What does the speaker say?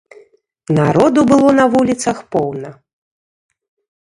Народу было на вуліцах поўна.